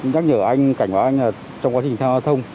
nhắc nhở anh cảnh báo anh là trong quá trình tham gia thông